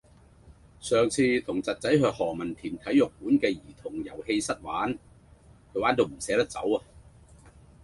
上次同侄仔去何文田體育館嘅兒童遊戲室玩，佢玩到唔捨得走。